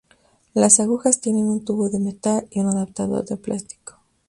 Las agujas tienen un tubo de metal y un adaptador de plástico.